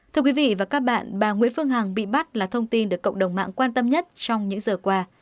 thưa quý vị và các bạn bà nguyễn phương hằng bị bắt là thông tin được cộng đồng mạng quan tâm nhất trong những giờ qua